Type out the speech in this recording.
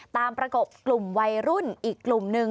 ประกบกลุ่มวัยรุ่นอีกกลุ่มหนึ่ง